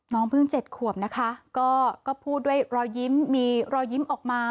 เพิ่ง๗ขวบนะคะก็พูดด้วยรอยยิ้มมีรอยยิ้มออกมา